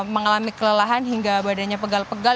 mengalami kelelahan hingga badannya pegal pegal